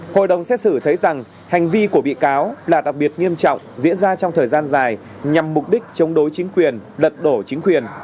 hội đồng xét xử thấy rằng hành vi của bị cáo là đặc biệt nghiêm trọng diễn ra trong thời gian dài nhằm mục đích chống đối chính quyền lật đổ chính quyền